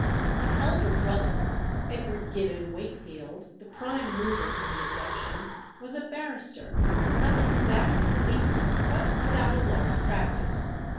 The elder brother, Edward Gibbon Wakefield, the prime mover in the abduction, was a barrister, not exactly briefless, but without a large practice.